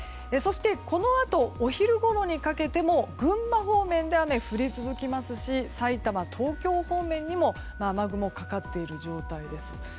このあと、お昼ごろにかけても群馬方面で雨が降り続きますし埼玉、東京方面にも雨雲かかっている状態です。